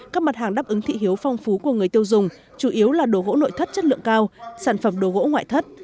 các mặt hàng đáp ứng thị hiếu phong phú của người tiêu dùng chủ yếu là đồ gỗ nội thất chất lượng cao sản phẩm đồ gỗ ngoại thất